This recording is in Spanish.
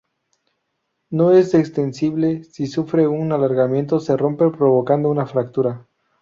No es extensible, si sufre un alargamiento se rompe provocando una fractura.